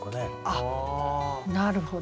あっなるほど。